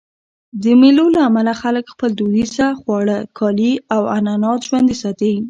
د مېلو له امله خلک خپل دودیز خواړه، کالي او عنعنات ژوندي ساتي.